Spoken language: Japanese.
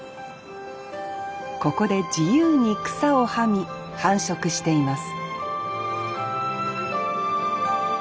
ここで自由に草を食み繁殖しています